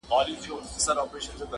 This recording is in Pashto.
له حیا نه چي سر کښته وړې خجل سوې,